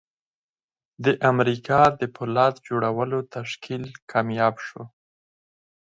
د امریکا د پولاد جوړولو تشکیل کامیاب شو